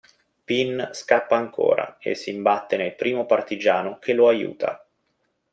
Pin scappa ancora e si imbatte nel primo partigiano che lo aiuta.